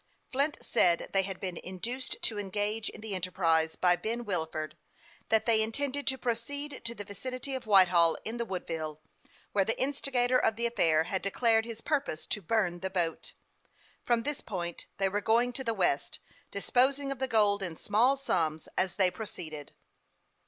Flint said they had been induced to engage in the enterprise by Ben Wilford ; that they intended to proceed to the vicinity of Whitehall in the Woodville, where the instigator of the affair had declared his purpose to burn the boat. From this point they were going to the West, disposing of the gold in small sums as they proceeded.